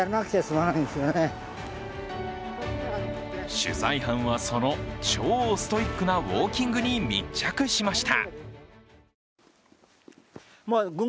取材班はその超ストイックなウオーキングに密着しました。